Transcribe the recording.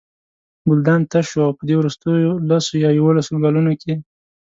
ګلدان تش و او په دې وروستیو لس یا یوولسو کلونو کې.